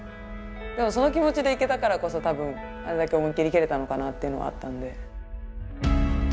その気持ちでいけたからこそ多分あれだけ思いっきり蹴れたのかなっていうのはあったんで。